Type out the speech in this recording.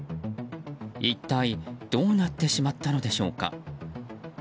一体どうなってしまったのでしょうか。